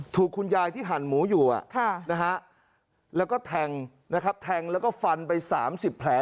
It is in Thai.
ถูกคุณยายที่หั่นหมูอยู่แล้วก็แทงแล้วก็ฟันไป๓๐แผล